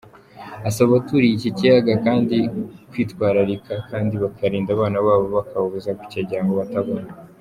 Asaba abaturiye icy kiyaga kandi kwitwararika kandi bakarinda abana babo bakababuza kucyegera ngo batagwamo.